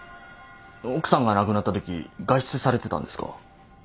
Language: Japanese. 奥さんが亡くなったとき外出されてたんですか？